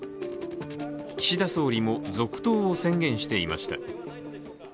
岸田総理も続投を宣言していました。